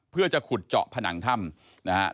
เพื่อจะขุดเจาะผนังถ้ำนะฮะ